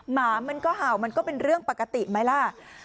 หมามันก็เห่ามันก็เป็นเรื่องปกติไหมล่ะ